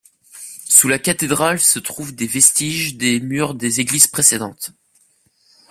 Sous la cathédrale se trouvent des vestiges des murs des églises précédentes.